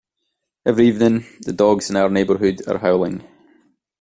Every evening, the dogs in our neighbourhood are howling.